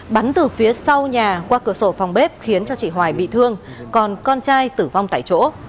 bắn từ phía sau nhà qua cửa sổ phòng bếp khiến cho chị hoài bị thương còn con trai tử vong tại chỗ